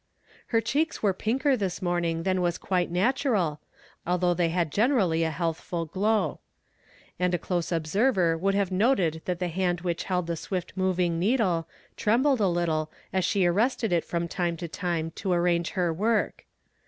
Her cheeks were pinker this morning than was quite natural, although they had generally a health ful glow; and a close observer would have noted that the hand which held the swift moving needle trembled a little as she arrested it from time to time to arrange her work.